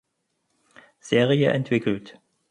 Serie entwickelt.